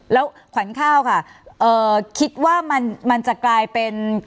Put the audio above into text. แล้วขวัญข้าวค่ะคิดว่ามันจะกลายเป็น